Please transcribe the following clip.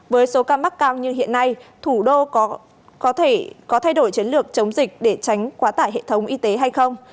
với số ca mắc cao như hiện nay thủ đô có thể có thay đổi chiến lược chống dịch để tránh quá tải hệ thống y tế hay không